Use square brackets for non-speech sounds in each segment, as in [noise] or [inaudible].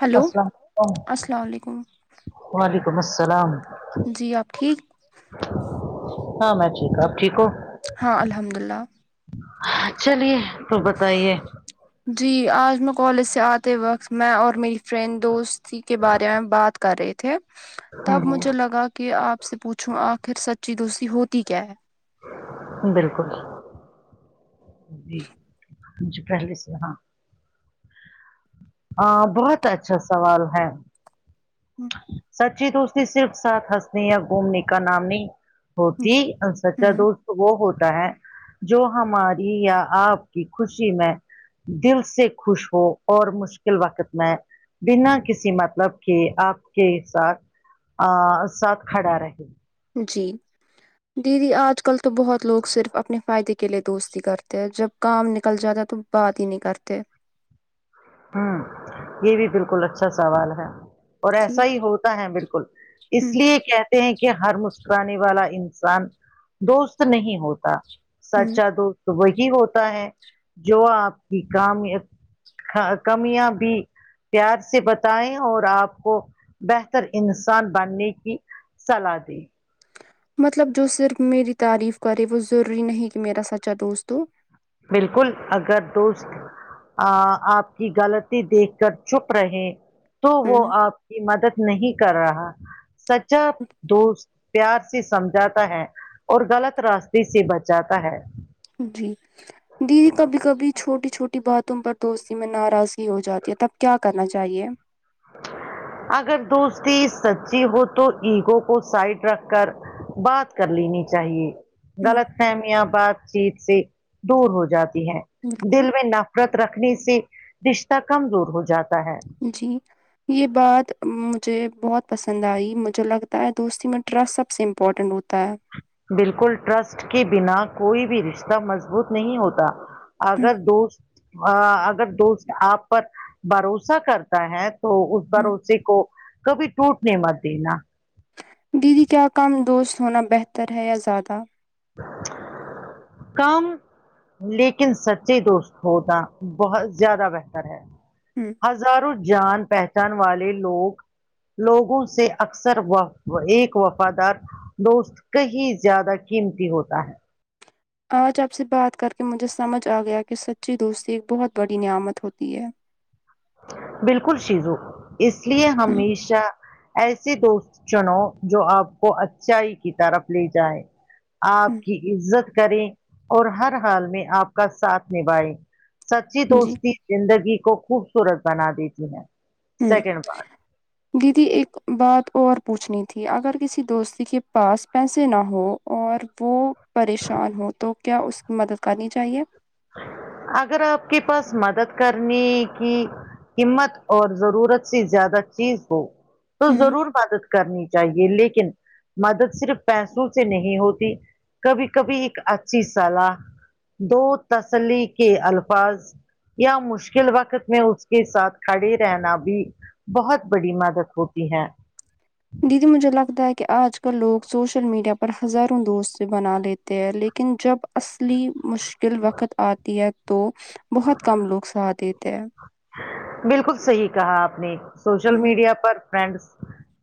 Hello السلام علیکم السلام علیکم وعلیکم السلام جی آپ ٹھیک ہاں میں ٹھیک ہوں اپ ٹھیک ہوں ہاں الحمد اللہ چلیے تو بتائیے جی آج میں کالج سے آتے وقت میں اور میری فرینڈ دوست تی کے بارے میں بات کر رہے تھے تب مجھے لگا کہ آپ سے پوچھوں آخر سچی دوستی ہوتی کیا ہے بالکل جی مجھے پہلے سے ہاں ہاں بہت اچھا سوال ہے سچی دوستی صرف ساتھ ہنسنے یا گھومنے کا نام نہیں ہوں ہوتی سچا ہوں دوست وہ ہوتا ہے جو ہمارے یا آپ کی خوشی میں دل سے خوش ہو اور مشکل وقت میں بنا کسی مطلب کے آپ کے ساتھ ا ساتھ کھڑا رہے جی دیدی آج کل تو بہت لوگ صرف اپنے فائدے کے لیے دوستی کرتے ہیں جب کام نکل جاتا ہے تو بات ہی نہیں کرتے ہوں یہ بھی بالکل اچھا سوال ہے اور ایسا ٹھیک ہی ہوتا ہے بالکل اس ہوں لیے کہ ہیں کہ ہر مسکرانے والا انسان دوست نہیں ہوتا ہوں سچا دوست تو وہی ہوتا ہے جو آپ کی کام خا کمیاں بھی پیار سے بتائیں اور آپ کو بہتر انسان بننے کی صلاح دی مطلب جو صرف میری تعریف کرے وہ ضروری نہیں کہ میرا سچا دوستوں بالکل اگر دوست آ آپ کی غلطی دیکھ کر چپ رہے تو وہ ہوں آپ کی مدد نہیں کر رہا سچا دوست پیار سے سمجھاتا ہے اور غلط راستے سے بچاتا ہے جی دی کبھی کبھی چھوٹی چھوٹی باتوں پر دوستی میں ناراضگی ہو جاتی ہے تب کیا کرنا چاہیے اگر دوستی سچی ہو تو ایگو کو سائڈ رکھ کر بات کر لینی چاہیے ہوں غلط فہمیاں بات چیت سے دور ہو جاتی ہے بالکل دل میں نفرت رکھنے سے رشتہ کمزور ہو جاتا ہے جی یہ بات مجھے بہت پسند آئی مجھے لگتا ہے دوستی میں ٹرسٹ سب سب سے امپورٹنٹ ہوتا ہے بالکل ٹرسٹ کے بنا کوئی بھی رشتہ مضبوط نہیں ہوتا ہوں اگر دوست ا اگر دوست آپ پر بھروسہ کرتا ہے تو اس ہوں بھروسہ کو کبھی ٹوٹنے مت دینا دیدی کیا کم دوست ہونا بہتر ہے یا زیادہ [inaudible] کم لیکن سچے دوست ہونا بہت زیادہ بہتر ہے ہوں ہزاروں جان پہچان والے لوگ لوگوں سے اکثر و ایک وفادار دوست کہیں زیادہ قیمتی ہوتا ہے اج اپ سے بات کر کے مجھے سمجھ اگیا کہ سچی دوستی ایک بہت بڑی نعمت ہوتی ہے بالکل شیزو اس لیے ہوں ہمیشہ ایسے دوست چنوں جو اپ کو اچھائی کی طرف لے جائے اپ کی عزت کریں اور ہر حال میں اپ کا ساتھ نھائیں سچی ہوں جی دوستی زندگی کو خوبصورت بنا دیتی ہے ہوں سیکنڈ بات دیدی ایک بات اور پوچھنی تھی اگر کسی دوستی کے پاس پیسے نہ ہو اور وہ پریشان ہو تو کیا اس مدد کرنی چاہیے اگر اپ کے پاس مدد کرنے کی ہمت اور ضرورت سے زیادہ چیز ہو تو ہوں ضرور مدد کرنی چاہیے لیکن مدد صرف پیسوں سے نہیں ہوتی کبھی کبھی ایک اچھی صلاح دو تسلی کے الفاظ یا مشکل وقت میں اس کے ساتھ کھڑے رہنا بھی بہت بڑی مدت ہوتی ہے دیدی مجھے لگتا ہے کہ اج کل لوگ س سوشل میڈیا پر ہزاروں دوست بنالے تےلیکن جب اصلی مشکل وقت آتی ہے تو بہت کم لوگ ساتھ دیتے ہیں بالکل صحیح کہا اپ نے سوشل ہوں میڈیا پر فرینڈ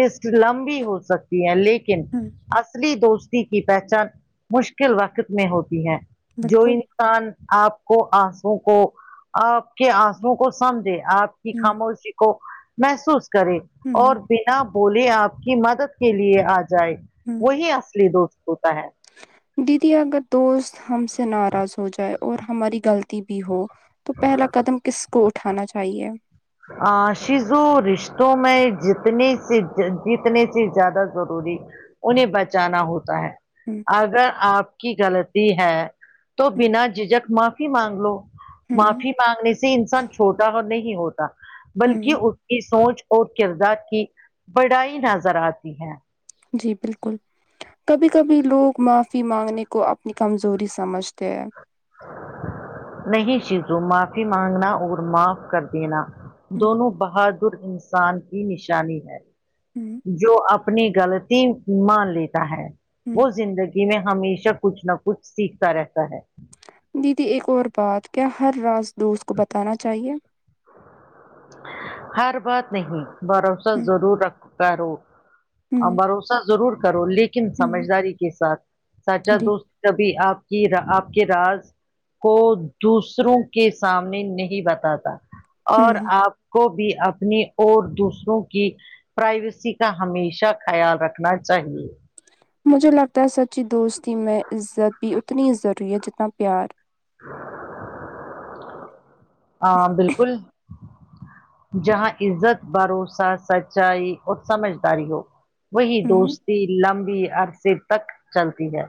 لسٹ لمبی ہو سکتی ہے لیکن ہوں اصلی دوست دوستی کی پہچان مشکل وقت میں ہوتی ہے جو بالکل ان ان اپ کو انسوں کو اپ کے انسوں کو سمجھے اپ ہوں خاموشی کو محسوس کرے ہوں اور بنا بولے آپ کی مدد کے لیے آ جائے ہوں وہی اصلی دوست ہوتا ہے دیدی اگر دوست ہم سے ناراض ہو جائے اور ہماری غلطی بھی ہو تو پہلا قدم کس کو اٹھانا چاہیے عاشیزو رشتوں میں جتنے سے جیتنے سے زیادہ ضروری انہیں بچانا ہوتا ہے ہ اگر اپ کی غلطی ہے تو ہ بنا جھجھک معافی مانگ لو ہوں معافی مانگنے سے انسان چھوٹا ہو نہیں ہوتا ہوں بلکہ اس کی سوچ اور کردار کی بڑائی نظر اتی ہے جی بالکل کبھی کبھی لوگ معافی مانگنے کو اپنی کمزوری سمجھتے ہے نہیں شیزو معافی مانگنا اور معاف کر دینا ہوں دونوں بہادر انسان کی نشانی ہے ہوں جو اپنی غلطی مان لیتا ہے ہوں وہ زندگی جی میں ہمیشہ کچھ نہ کچھ سیکھتا رہتا ہے دیدی ایک اور بات کیا ہر راس دوست کو بتانا چاہیے ہر بات نہیں بھروسہ ہوں ضرور رکھ کرو اب ہوں بھروسہ ضرور کرو لیکن ہوں سمجھداری کے ساتھ سچا جی دوست تبھی اپ کی اپ کے راز کو دوسروں کے سامنے نہیں بتاتا اور ہوں ہ اپ کو بھی اپنی اور دوسروں کی پرائیویسی کا ہمیشہ خیال رکھنا چاہیے مجھے لگتا ہے سچی دوستی میں عزت بھی اتنی ضروری ہے جتنا پیار ہاں بالکل جہاں عزت بھروسہ سچائی اور سمجھداری ہو وہی ہوں دوست لمبی عرصے تک چلتی ہے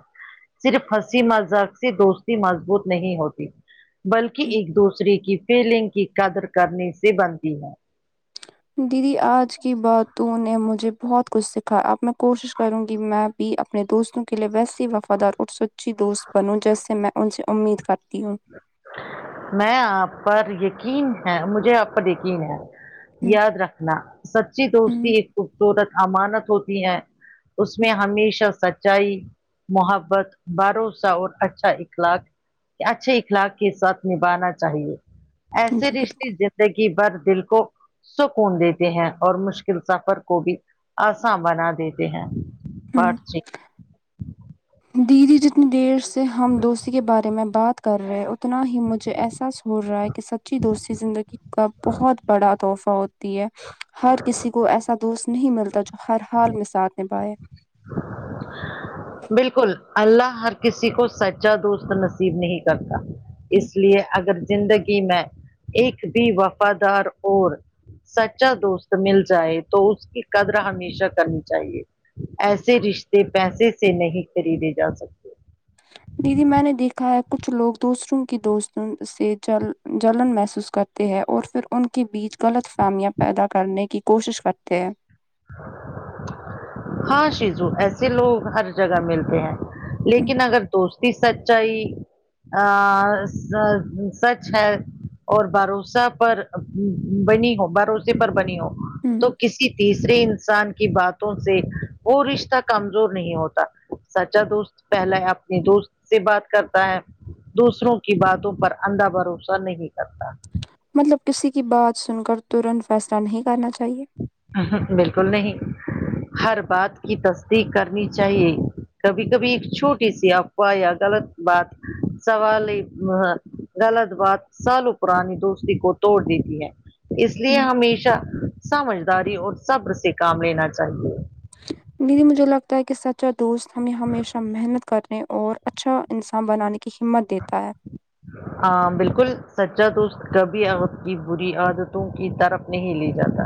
صرف ہسی مذاق سے دوستی مضبوط نہیں ہوتی بلکہ ایک دوسرے کی فیلنگ کی قدر کرنے سے بنتی ہے دیدی آج کی باتوں نے مجھے بہت کچھ سیکھا اب میں کوشش کروں گی میں بھی اپنے دوستوں کے لیے بس وفادار اور سچی دوست بنوں جیسے میں ان سے امید کرتی ہوں میں آپ پر یقین ہے مجھے آپ پر یقین ہے ہ یاد رکھنا سچی ہوں دوستی ایک خوبصورت امانت ہوتی ہے اس میں ہمیشہ سچ چئی محبت بھروسہ اور اچھا اخلاق اچھے اخلاق کے ساتھ نبھانا چاہیے ایسے جی رشتے بالکل جس زندگی بھر دل کو سکون دیتے ہیں اور مشکل سفر کو بھی آسان بنا دیتے ہیں ہوں بوھت ساہی دیدی جتنی دیر سے ہم دوستی کے بارے میں بات کر کر رہے ہیں اتنا ہی مجھے احساس ہو رہا ہے کہ سچی دوستی زندگی کا بہت بڑا تحفہ ہوتی ہے ہر کسی کو ایسا دوست نہیں ملتا جو ہر حال میں ساتھ نبھاائے بالکل الله ہر کسی کو سچا دوست نصیب نہیں کرتا اس لیے اگر زندگی میں ایک بھی وفادار اور سچا دوست مل جائے تو اس کی قدر ہمیشہ کرنی چاہیے ایسے رشتے پیسے سے نہیں خریدے جا سکتے دیدی میں نے دیکھا ہے کچھ لوگ دوسروں کی دوستوں سے جل جلن محسوس کرتے اور پھر ان کے بیچ غلط فہمیاں پیدا کرنے کی کوشش کرتے ہیں ہاں شیزو ایسے لوگ ہر جگہ ملتے ہیں لیکن اگر دوستی سچائی ا سچ ہے اور بھروسہ پر بنی ہو بھروسے پر بنی ہو تو کسی تیز انسان کی باتوں سے وہ رشتہ کمزور نہیں ہوتا سچا دوست پہلے اپنے دوست سے بات کرتا ہے دوسروں کی باتوں پر اندھا بھروسہ نہیں کرتا مطلب کسی کی بات سن کر ترنت فیصلہ نہیں کرنا چاہیے بالکل نہیں ہر بات کی تصدیق کرنی چاہیے کبھی کبھی ایک چھوٹی سی افواہ یا غلط بات سوال غلط بات سالو پرانی دوستی کو توڑ دیتی ہے اس لیے ہمیشہ سمجھداری اور صبر سے کام لینا چاہیے دی مجھے لگتا ہے کہ سچا دوست ہمیں ہمیشہ محنت کرے اور اچھا انسان بنانے کی ہمت دیتا ہے ہاں بالکل سچا توست کبھی ا کی بری عادتوں کی طرف نہیں لے جاتا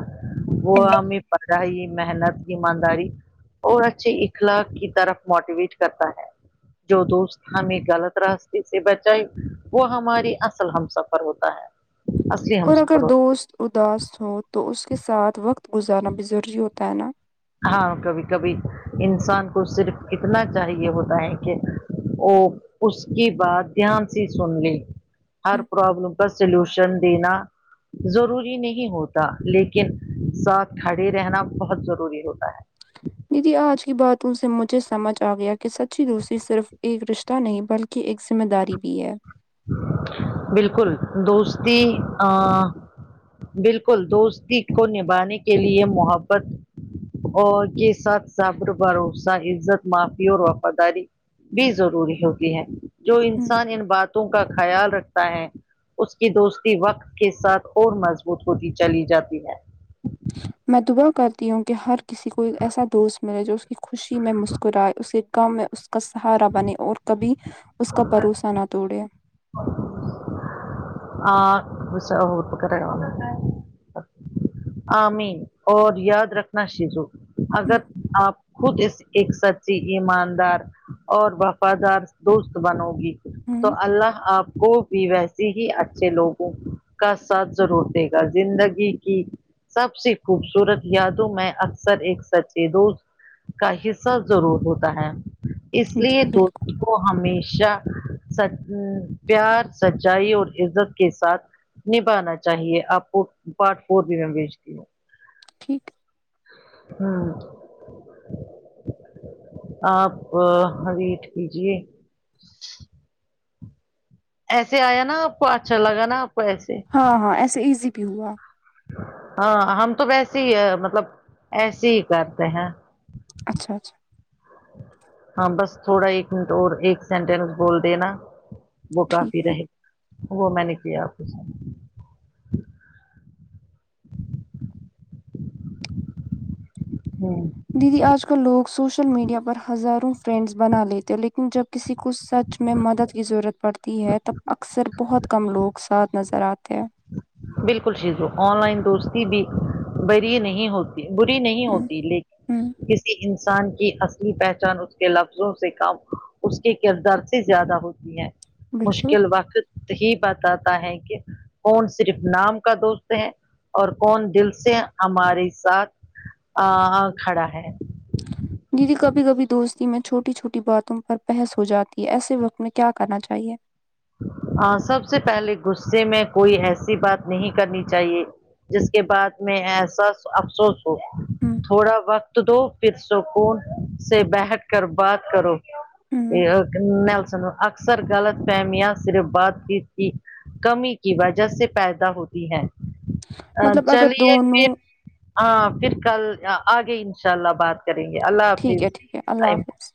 وہ ہوں ہمیں پڑائی محنت ایمانداری اور اچھے اخلا کی طرف موٹیویٹ کرتا ہے جو دوست ہمیں غلط راستے سے بچائے وہ ہماری اصل ہم سفر ہوتا ہے اصلی اور اگر ہمسفر ہوتا ہے۔ دوست اداس ہو تو اس کے ساتھ وقت گزارنا بھی ضروری ہوتا ہے نا ہاں کبھی کبھی انسان کو صرف اتنا چاہیے ہوتا ہے کہ وہ اس کی بات دھیان سے سن لے ہر ہوں پرابلم کا سلوشن شن دینا ضروری نہیں ہوتا لیکن ساتھ کھڑے رہنا بہت ضروری ہوتا ہے ددی آج کی بات ان سے مجھے سمجھ آ گیا کہ سچی دوسری صرف ایک رشہ نہیں بلکہ ایک ذمہ داری بھی ہے بالکل دوستی ا بالکل دوستی کو نبھانے کے لیے محبت اور کے ساتھ سفر بھروسہ عزت معافی اور وفاداری بھی ضروری ہوتی ہے جو ہوں انسان ان باتوں کا خیال رکھتا ہے اس کی دوستی وقت کے ساتھ اور مضبوط ہوتی چلی جاتی ہے میں دعا کرتی ہوں کہ ہر کسی کو ایسا دوست ملے جو اس کی خوشی میں مسکرائے اس کے کم میں کا سہارا بنے اور کبھی اس کا بھروسہ نہ توڑے [unintelligible] امین اور یاد رکھنا شزو اگر ہوں آپ خود اس ایک سچی ایماندار اور وفادار دوست بنو گی ہوں تو اللہ آپ کو بھی ویسے ہی اچھے لوگوں کا ساتھ ضرور دے گا زندگی کی سب سے خوبصورت یادوں میں اکثر ایک سچے دوست کا حصہ ضرور ہوتا ہے اس جی لیے بالکل دوست کو ہمیشہ سچ ام پیار سچائی اور عزت کے ساتھ نبھانا چاہیے آپ کو پارٹ فور بھی میں بھیجتی ہوں ٹھیک ہمم آپ ویٹ کیجیے ایسے آیا نا آپ کو اچھا لگا نا آپ کو ایسے ہاں ہاں ایسے ایزی بھی ہوا ہاں ہم تو ویسے ہی ہے مطلب ایسے ہی کرتے ہیں اچھا اچھا ہاں بس تھوڑا ایک منٹ اور ایک سینٹینس بول دے نا وہ کافی ٹھیک ہے رہے وہ میں نے کیا آپ کو س ہمم دیدی آج کل لوگ سوشل میڈیا پر ہزاروں فرینڈس بنا لیتے لیکن جب کسی کو سچ اس میں مدد کی ضرورت پڑتی ہے تب اکثر بہت کم لوگ ساتھ نظر آتے ہیں بالکل شیزو آن لائن دوستی بھی بری نہیں ہوتی بری نہیں ہ ہوتی ہ لیکن کسی ان انسان کی اصلی پہچان اس کے لفظوں سے کم اس کے کردار سے زیادہ ہوتی ہے بالکل مشکل وقت ہی بتاتا ہے کہ کون سا صرف نام کا دوست ہے اور کون دل سے ہمارے ساتھ ا کھڑا ہے دیدی کبھی کبھی دوستی میں چھوٹی چھوٹی باتوں پر بحث ہو جاتی ہے ایسے وقت میں کیا کرنا چاہیے ہاں سب سے پہلے غصے میں کوئی ایسی بات نہیں کرنی چاہیے جس کے بعد میں احساس افسوس ہوں ہ تھوڑا وقت دو پھر سکون سے بیٹھ کر بات کرو ہ یہ [unintelligible] اکثر غلط فمیاں صرف بات چیت کی کمی کی وجہ سے پیدا ہوتی ہیں مطلب اگر چلیے دونوں پھر ہاں پھر کل آگے ان شاء اللہ بات کریں گے اللہ ٹھیک حافظ ہے ٹھیک ہے اللہ ٹائم حافظ